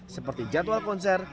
seperti jadwal konser